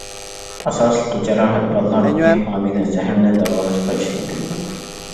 ئاساسلىقى، جاراھەت، بالىلاردىكى ھامىلە زەھىرىنى داۋالاشقا ئىشلىتىلىدۇ.